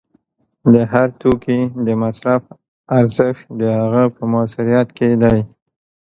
د هر توکي د مصرف ارزښت د هغه په موثریت کې دی